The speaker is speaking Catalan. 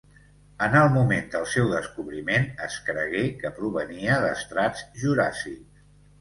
En el moment del seu descobriment es cregué que provenia d'estrats juràssics.